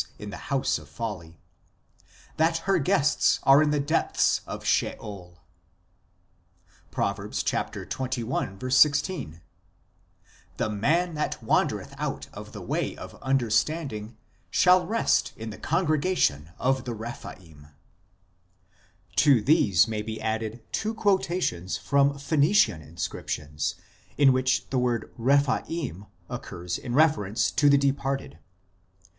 in the house of folly), that her guests are in the depths of Sheol." Prov. xxi. 16 :" The man that wandereth out of the way of understanding shall rest in the congregation of (the) Rephaim (R.V. the dead, marg. as above)." To these may be added two quotations from Phoenician inscriptions in which the word Rephaim occurs in reference to the departed.